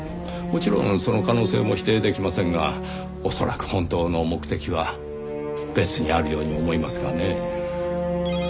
もちろんその可能性も否定できませんが恐らく本当の目的は別にあるように思いますがねぇ。